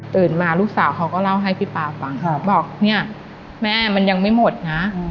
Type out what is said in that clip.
มาลูกสาวเขาก็เล่าให้พี่ป๊าฟังบอกเนี่ยแม่มันยังไม่หมดนะ